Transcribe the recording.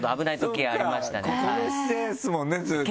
この姿勢ですもんねずっとね。